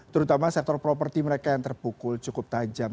terutama sektor properti mereka yang terpukul cukup tajam